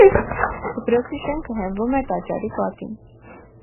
Դպրոցի շենքը հենվում է տաճարի պատին։